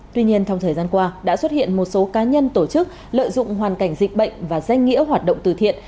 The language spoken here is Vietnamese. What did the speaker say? tuy nhiên trong thời gian qua đã xuất hiện một số cá nhân tổ chức lợi dụng hoàn cảnh dịch bệnh và danh nghĩa hoạt động từ thiện